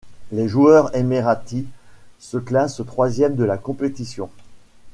Les joueurs émiratis se classent troisième de la compétition.